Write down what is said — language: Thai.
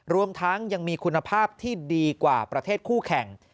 รวมทั้งยังมีคุณภาพที่ดีกว่าประเทศคู่แข่ง